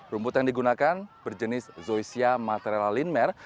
rumput yang digunakan berjenis zoysia material linmer